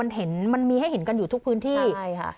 มันเห็นมันมีให้เห็นกันอยู่ทุกพื้นที่ใช่ค่ะ